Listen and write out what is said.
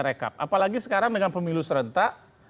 rekap apalagi sekarang dengan pemilu serentak